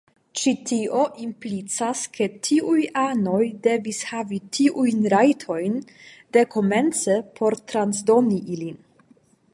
Ĉi tio implicas ke tiuj anoj devis havi tiujn rajtojn dekomence por transdoni ilin.